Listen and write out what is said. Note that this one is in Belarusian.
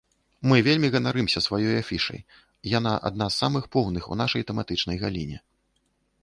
Мы вельмі ганарымся сваёй афішай, яна адна з самых поўных у нашай тэматычнай галіне.